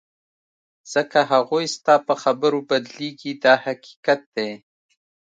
ځکه هغوی ستا په خبرو بدلیږي دا حقیقت دی.